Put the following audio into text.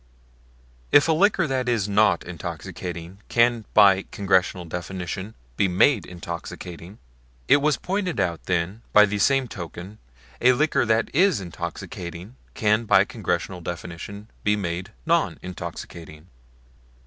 If a liquor that is not intoxicating can by Congressional definition be made intoxicating, it was pointed out, then by the same token a liquor that is intoxicating can by Congressional definition be made non intoxicating.